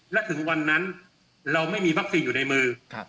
และถึงวันนั้นเราไม่มีวัคซีนอยู่ในมือ